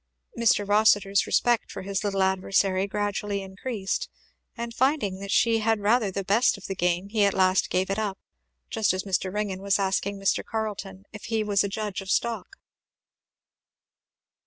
Mr. Rossitur's respect for his little adversary gradually increased, and finding that she had rather the best of the game he at last gave it up, just as Mr. Ringgan was asking Mr. Carleton if he was a judge of stock?